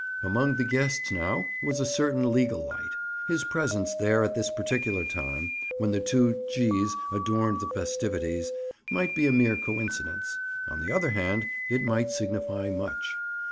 Among the guests now was a certain legal light. His presence there at this particular time—when the two G's adorned the festivities—might be a mere coincidence; on the other hand it might signify much.